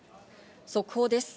速報です。